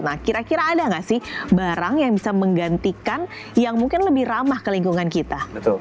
nah kira kira ada nggak sih barang yang bisa menggantikan yang mungkin lebih ramah ke lingkungan kita